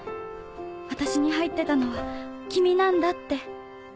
私に入ってたのは君なんだって。